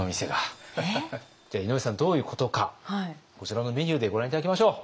えっ？じゃあ井上さんどういうことかこちらのメニューでご覧頂きましょう。